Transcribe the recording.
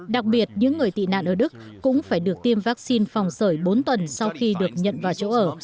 đặc biệt những người tị nạn ở đức cũng phải được tiêm vaccine phòng sởi bốn tuần sau khi được nhận vào chỗ ở